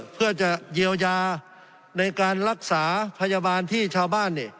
เพื่อจะเยียวยาในการรักษาพยาบาลที่ชาวบ้าน